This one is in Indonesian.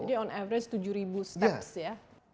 jadi on average tujuh ribu langkah ya